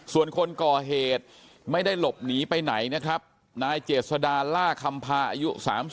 ส่วนคนก่อเหตุไม่ได้หลบหนีไปไหนนะครับนายเจษดาล่าคำพาอายุ๓๐